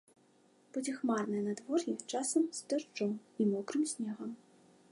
Будзе хмарнае надвор'е, часам з дажджом і мокрым снегам.